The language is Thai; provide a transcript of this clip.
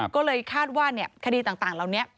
ก็เลยคาดว่าเนี่ยคดีต่างแล้วเนี่ย